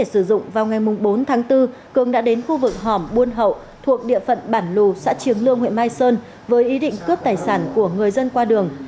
sử dụng vào ngày bốn tháng bốn cường đã đến khu vực hòm buôn hậu thuộc địa phận bản lù xã triềng lương huyện mai sơn với ý định cướp tài sản của người dân qua đường